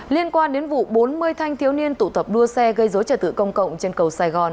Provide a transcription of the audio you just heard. liên quan đến vụ bốn mươi thanh thiếu niên tụ tập đua xe gây dối trả tự công cộng trên cầu sài gòn